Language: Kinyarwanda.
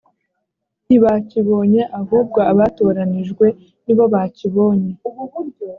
ntibakibonye ahubwo abatoranijwe ni bo bakibonye